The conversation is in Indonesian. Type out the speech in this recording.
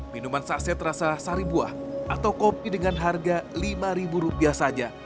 minuman saset rasa sari buah atau kopi dengan harga lima rupiah saja